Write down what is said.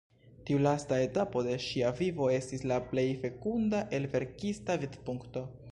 Tiu lasta etapo de ŝia vivo estis la plej fekunda el verkista vidpunkto.